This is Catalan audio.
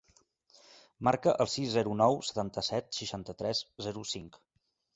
Marca el sis, zero, nou, setanta-set, seixanta-tres, zero, cinc.